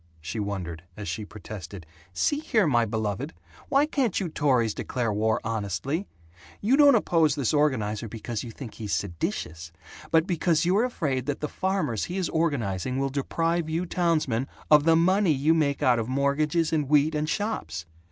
she wondered, as she protested, "See here, my beloved, why can't you Tories declare war honestly? You don't oppose this organizer because you think he's seditious but because you're afraid that the farmers he is organizing will deprive you townsmen of the money you make out of mortgages and wheat and shops.